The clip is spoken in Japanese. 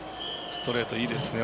ストレートいいですね。